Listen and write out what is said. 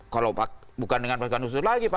kalau bukan dengan pasukan khusus lagi